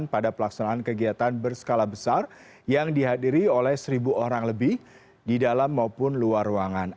pada pelaksanaan kegiatan berskala besar yang dihadiri oleh seribu orang lebih di dalam maupun luar ruangan